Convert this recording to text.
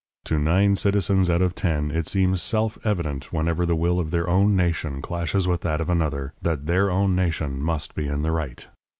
To nine citizens out of ten it seems self evident, whenever the will of their own nation clashes with that of another, that their own nation must be in the right.